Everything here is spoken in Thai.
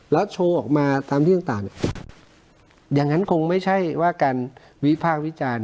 แล้วโชว์ออกมาตามที่ต่างอย่างนั้นคงไม่ใช่ว่าการวิพากษ์วิจารณ์